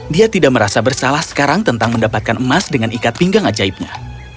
dia tidak merasa bersalah sekarang tentang mendapatkan emas dengan ikat pinggang ajaibnya